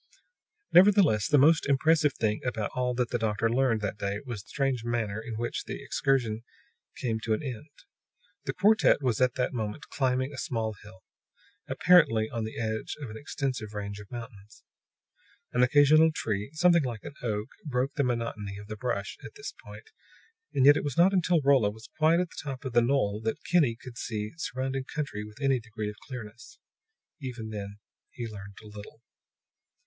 Nevertheless, the most impressive thing about all that the doctor learned that day was the strange mariner in which the excursion came to an end. The quartet was at that moment climbing a small hill, apparently on the edge of an extensive range of mountains. An occasional tree, something like an oak, broke the monotony of the brush at this point, and yet it was not until Rolla was quite at the top of the knoll that Kinney could see surrounding country with any degree of clearness. Even then he learned little.